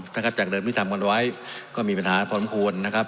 นะครับจากเดิมที่ทำกันไว้ก็มีปัญหาพร้อมควรนะครับ